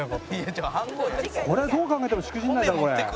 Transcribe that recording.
これどう考えてもしくじらないだろ。